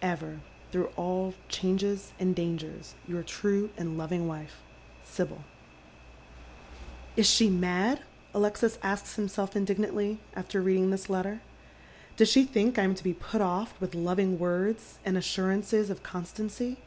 " Ever, through aU changes and dangers, yom tiuc and loving A Dangerous Triumjih, 122 " Is she mad ?" Alexis asks himself, indignantly, after reading this letter. "Does she think I am to be put o££ with loving words and assurances of constancy